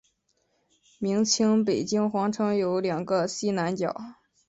明清北京皇城有两个西南角。